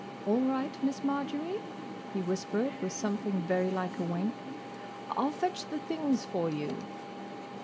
"All right, Miss Marjory," he whispered, with something very like a wink, "I'll fetch the things for you."